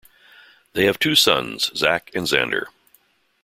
They have two sons, Zack and Xander.